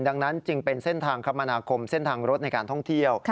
ดังนั้นจึงเป็นเส้นทางคมนาคมเส้นทางรถในการท่องเที่ยว